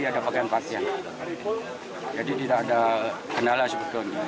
dia ada bagian pakaian jadi tidak ada kenalan sebetulnya